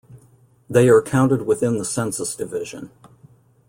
They are counted within the census division.